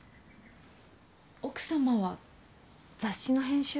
奥様は雑誌の編集を？